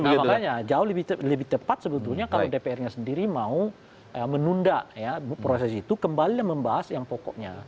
makanya jauh lebih tepat sebetulnya kalau dprnya sendiri mau menunda proses itu kembali membahas yang pokoknya